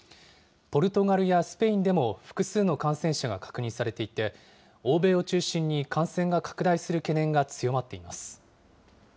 ポルトガルやスペインでも複数の感染者が確認されていて、欧米を中心に、感染が拡大する懸念が強まっています。